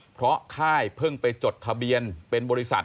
เพราะค่ายเพิ่งไปจดทะเบียนเป็นบริษัท